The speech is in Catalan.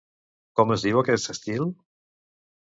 Com es diu aquest estil?